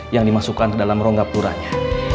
yang dimasukkan ke dalam rongga puranya